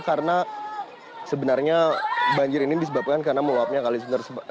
karena sebenarnya banjir ini disebabkan karena meluapnya kalisunter